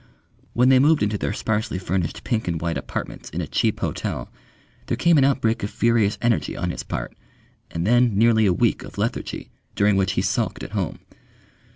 When they moved into their sparsely furnished pink and white apartments in a cheap hotel, there came an outbreak of furious energy on his part, and then nearly a week of lethargy during which he sulked at home.